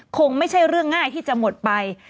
คงไม่ใช่เรื่องง่ายที่จะหมดไป